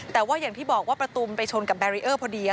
แต่ว่าอย่างที่บอกว่าประตูไปชนกับแบรีเออร์พอดี